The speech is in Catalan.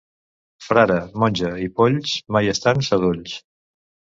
Frare, monja i polls, mai estan sadolls.